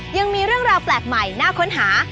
ยังมีเรื่องราวแปลกใหม่น่าค้นหา